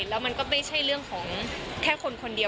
แล้วมันก็ไม่ใช่เรื่องของแค่คนคนเดียว